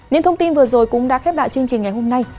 những thông tin vừa rồi cũng đã khép lại chương trình ngày hôm nay